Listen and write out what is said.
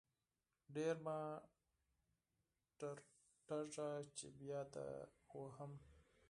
ډير مه ټرتيږه چې بيا دې وهم.